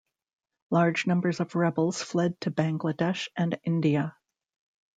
Large numbers of rebels fled to Bangladesh and India.